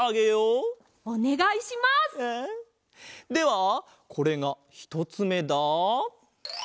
ではこれがひとつめだ。